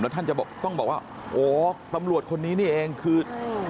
ท่านจะต้องบอกว่าโอ้ตำรวจคนนี้นี่เองคือ